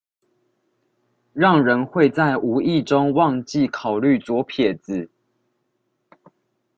讓人會在無意中忘記考慮左撇子